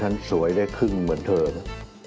สวยได้ครึ่งเหมือนเธอนะ